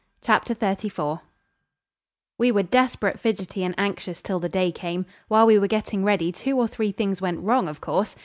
Chapter 34 We were desperate fidgety and anxious till the day came. While we were getting ready two or three things went wrong, of course.